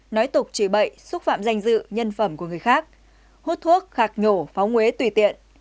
nói tục chỉ bậy xúc phạm danh dự nhân phẩm của người khác hút thuốc khạc nhổ phóng huế tùy tiện